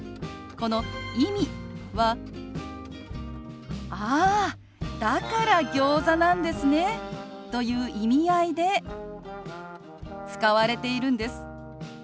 この「意味」は「あーだからギョーザなんですね」という意味合いで使われているんです。